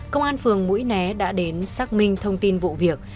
công an phường mũi né đã đến xác minh thông tin vụ việc